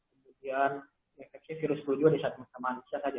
kemudian infeksi virus flu juga di satu manusia saja